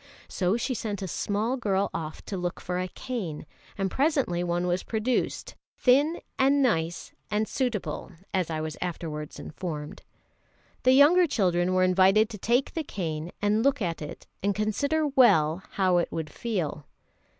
So she sent a small girl off to look for a cane; and presently one was produced, "thin and nice and suitable," as I was afterwards informed. The younger children were invited to take the cane and look at it, and consider well how it would feel.